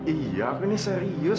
iya aku ini serius